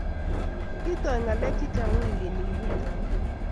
kitooy ngalek chechang weekit nii kigitau